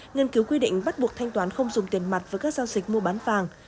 nghiên cứu quy định bắt buộc thanh toán không dùng tiền mặt với các giao dịch mua bán vàng